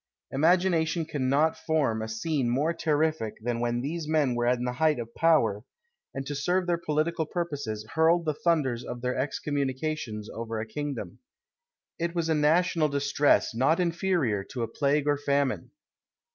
Imagination cannot form a scene more terrific than when these men were in the height of power, and to serve their political purposes hurled the thunders of their excommunications over a kingdom. It was a national distress not inferior to a plague or famine.